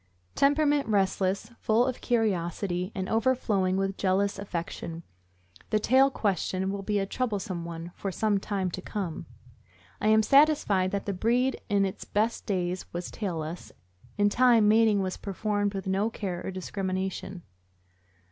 Temperament restless, full of curiosity, and overflowing with jealous affection. The tail question will be a troublesome one for some time to come. I am satisfied that the breed in its best days was tailless; in time, mating was per formed with no care or discrimination.